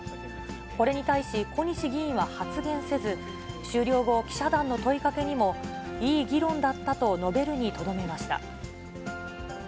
これに対し小西議員は発言せず、終了後、記者団の問いかけにも、いい議論だったと述べるにとどめました。